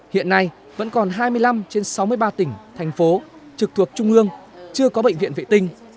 hiện nay vẫn còn hai mươi năm trên sáu mươi ba tỉnh thành phố trực thuộc trung ương chưa có bệnh viện vệ tinh